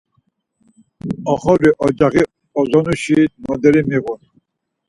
Oxori ocaği ozonuşi noderi miğun.